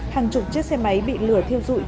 hàng chục chiếc xe máy bị lửa thiêu dụng